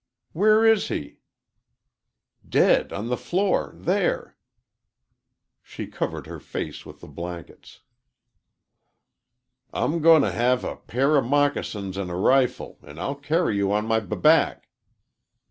"Where is he?" "Dead on the floor there." She covered her face with the blankets. "I'm going to have a pair o' moccasins an' a rifle, an' I'll carry you on my b back."